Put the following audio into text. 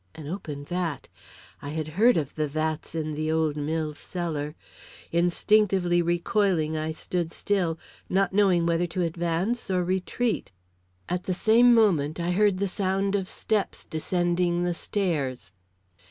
An open vat! I had heard of the vats in the old mill's cellar. Instinctively recoiling, I stood still, not knowing whether to advance or retreat. At the same moment I heard the sound of steps descending the stairs.